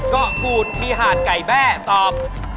เกาะกูลพิหาดไก่แบ้ตอบ